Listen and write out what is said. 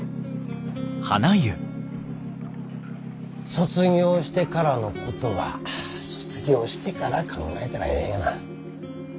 卒業してからのことは卒業してから考えたらええがな。